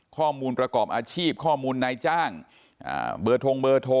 ข้อมูลประกอบอาชีพข้อมูลนายจ้างเบอร์ทงเบอร์โทร